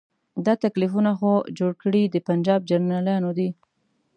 دا تکلیفونه خو جوړ کړي د پنجاب جرنیلانو دي.